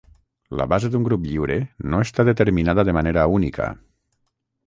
La base d'un grup lliure no està determinada de manera única.